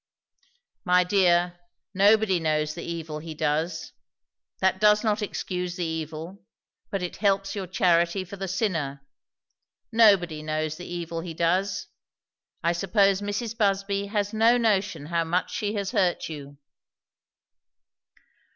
'" "My dear, nobody knows the evil he does. That does not excuse the evil, but it helps your charity for the sinner. Nobody knows the evil he does. I suppose Mrs. Busby has no notion how much she has hurt you."